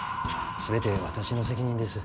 全て私の責任です。